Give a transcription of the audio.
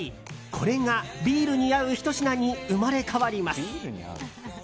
これがビールに合うひと品に生まれ変わります。